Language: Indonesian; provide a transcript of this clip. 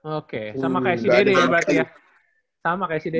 oke sama kayak si dede ya berarti ya sama kayak si dede